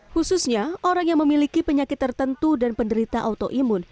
khususnya orang yang memiliki penyakit tertentu dan penderita autoimun